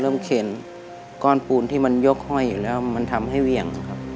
เข็นก้อนปูนที่มันยกห้อยอยู่แล้วมันทำให้เหวี่ยงครับ